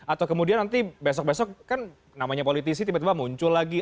atau kemudian nanti besok besok kan namanya politisi tiba tiba muncul lagi